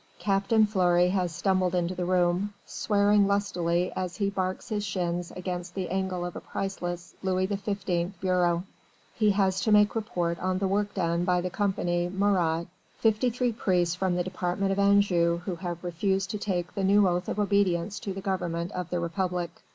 Captain Fleury has stumbled into the room, swearing lustily as he barks his shins against the angle of a priceless Louis XV bureau. He has to make report on the work done by the Compagnie Marat. Fifty three priests from the department of Anjou who have refused to take the new oath of obedience to the government of the Republic.